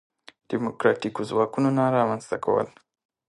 دیموکراتیکو ځواکونو نه رامنځته کول.